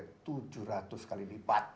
antara sepuluh sampai tujuh ratus kali lipat